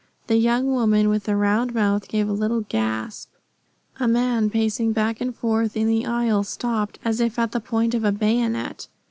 The young woman with the round mouth gave a little gasp. A man pacing back and forth in the aisle stopped as if at the point of a bayonet.